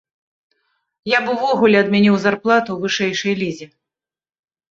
Я б увогуле адмяніў зарплаты ў вышэйшай лізе.